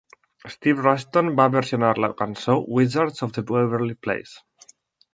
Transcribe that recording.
Steve Rushton va versionar la cançó Wizards of Waverly Place.